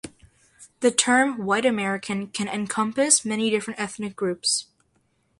The term "White American" can encompass many different ethnic groups.